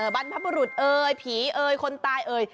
บรรพบุรุษผีคนตาย